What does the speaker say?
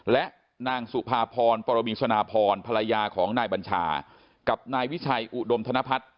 และนางสุภาพรปรมีสนาพรภรรยาของนายบัญชากับนายวิชัยอุดมธนพัฒน์